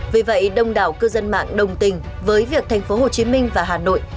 vì vậy đông đảo cư dân mạng đồng tình với việc tp hcm và hà nội